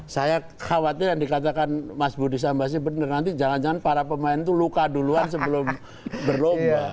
saya khawatir yang dikatakan mas budi sambasi benar nanti jangan jangan para pemain itu luka duluan sebelum berlomba